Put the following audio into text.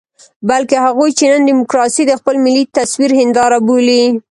بلکې هغوی چې نن ډيموکراسي د خپل ملي تصوير هنداره بولي.